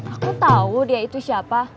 aku tahu dia itu siapa